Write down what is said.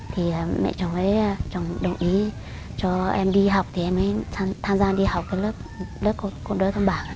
thì mẹ chồng với chồng đồng ý cho em đi học thì em mới tham gia đi học lớp cô đỡ thôn bản